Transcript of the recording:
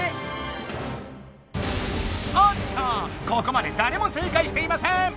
ここまでだれも正解していません！